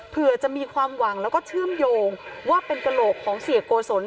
เผื่อจะมีความหวังแล้วก็เชื่อมโยงว่าเป็นกระโหลกของเสียโกศล